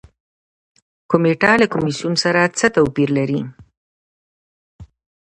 کمیټه له کمیسیون سره څه توپیر لري؟